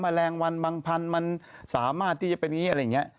มะแรงวันมังพันมันสามารถที่จะเป็นอย่างนี้อะไรอย่างเงี้ย